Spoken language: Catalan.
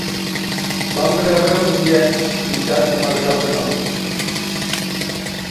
Vam rebre un llenç pintat com a regal de noces.